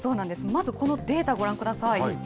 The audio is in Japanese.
まずこのデータ、ご覧ください。